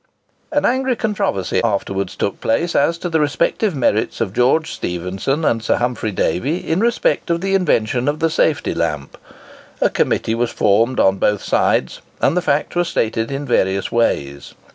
An angry controversy afterwards took place as to the respective merits of George Stephenson and Sir Humphry Davy in respect of the invention of the safety lamp. A committee was formed on both sides, and the facts were stated in various ways.